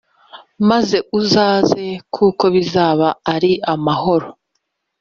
maze uzaze kuko bizaba ari amahoro